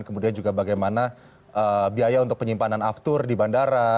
kemudian juga bagaimana biaya untuk penyimpanan aftur di bandara